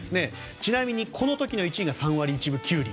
ちなみに、２０２１年の１位が３割１分１厘。